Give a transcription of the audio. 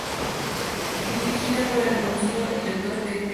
Y dirigida por el reconocido director Pepe.